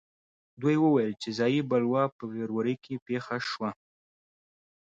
دوی وویل چې ځايي بلوا په فبروري کې پېښه شوه.